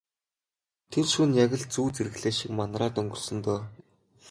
Тэр шөнө яг л зүүд зэрэглээ шиг манараад өнгөрсөн дөө.